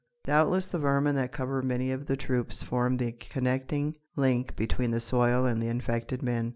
Doubtless the vermin that cover many of the troops form the connecting link between the soil and the infected men.